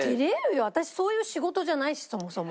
私そういう仕事じゃないしそもそも。